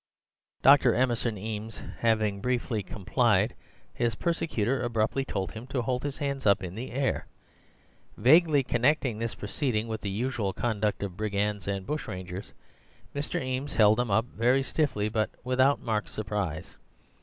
"Dr. Emerson Eames having briefly complied, his persecutor abruptly told him to hold his hands up in the air. Vaguely connecting this proceeding with the usual conduct of brigands and bushrangers, Mr. Eames held them up, very stiffly, but without marked surprise.